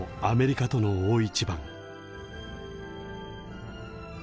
アメリカとの大一番。